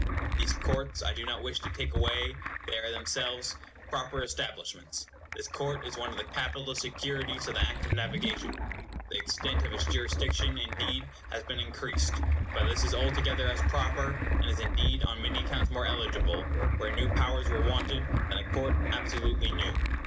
These courts I do not wish to take away, they are in themselves proper establishments. This court is one of the capital securities of the Act of Navigation. The extent of its jurisdiction, indeed, has been increased, but this is altogether as proper, and is indeed on many accounts more eligible, where new powers were wanted, than a court absolutely new.